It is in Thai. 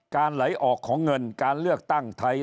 ไหลออกของเงินการเลือกตั้งไทย